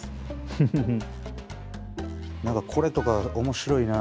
フフフッ。